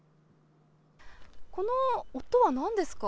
この音はなんですか？